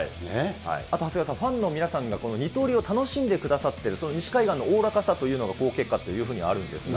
あと長谷川さん、ファンの皆さんが二刀流を楽しんでくださっている、その西海岸のおおらかさというのが好結果というのがあるんですが。